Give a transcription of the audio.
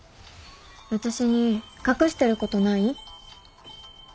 私に隠してることない？